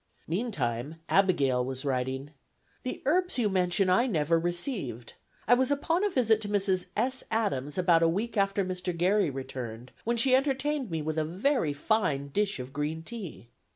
Meantime Abigail was writing: "The herbs you mention I never received. I was upon a visit to Mrs. S. Adams about a week after Mr. Garry returned, when she entertained me with a very fine dish of green tea.